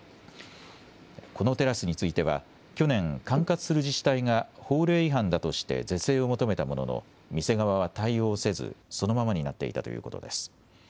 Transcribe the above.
このテラスについては、去年、管轄する自治体が法令違反だとして是正を求めたものの、店側は対応せず、そのままになっていたということです。